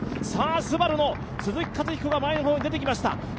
ＳＵＢＡＲＵの鈴木勝彦が前の方に出てきました。